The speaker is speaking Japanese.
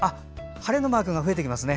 晴れのマークが増えてきますね。